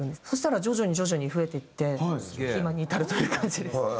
そしたら徐々に徐々に増えていって今に至るという感じです。